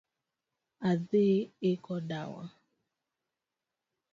Adhi iko dawa